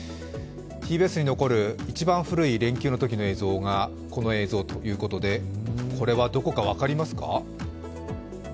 ＴＢＳに残る一番古い連休のときの映像がこの映像ということで、これはどこか分かりますか？